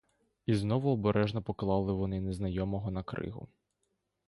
І знову обережно поклали вони незнайомого на кригу.